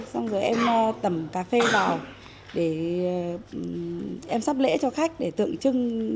xong rồi em tẩm cà phê vào để em sắp lễ cho khách để tượng trưng